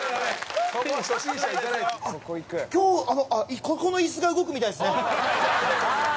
今日あのここの椅子が動くみたいですね。